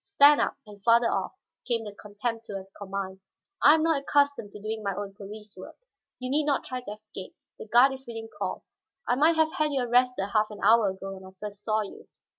"Stand up, and farther off," came the contemptuous command. "I am not accustomed to doing my own police work. You need not try to escape; the guard is within call. I might have had you arrested half an hour ago when I first saw you."